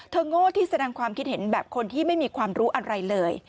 โง่ที่แสดงความคิดเห็นแบบคนที่ไม่มีความรู้อะไรเลย